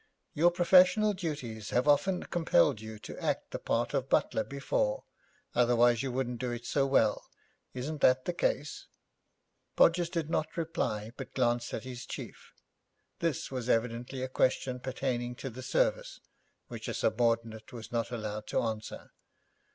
'Your professional duties have often compelled you to enact the part of butler before, otherwise you wouldn't do it so well. Isn't that the case.' Podgers did not reply, but glanced at his chief. This was evidently a question pertaining to the service, which a subordinate was not allowed to answer.